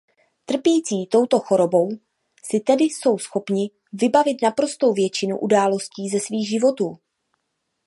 Trpící touto chorobou si tedy jsou schopni vybavit naprostou většinu událostí ze svých životů.